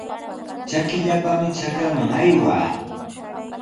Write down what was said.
Trakipallami trakraman aywaa.